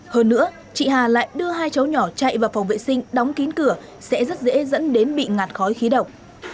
hơn nữa chị hà lại đưa hai cháu nhỏ chạy vào phòng vệ sinh đóng kín cửa sẽ rất dễ dẫn đến bị ngạt khói khí độc